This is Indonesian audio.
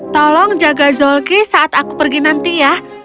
tolong jaga zolki saat aku pergi nanti ya